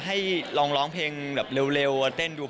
ให้ลองร้องเพลงแบบเร็วเต้นดู